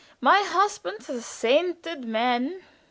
My husband, the sainted man!